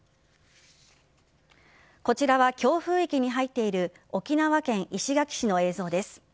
こちらは強風域に入っている沖縄県石垣市の映像です。